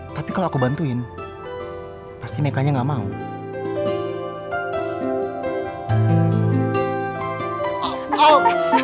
tapi kalau aku bantuin pasti nekatnya gak mau